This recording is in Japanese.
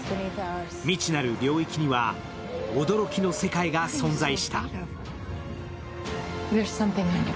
未知なる領域には驚きの世界が存在した。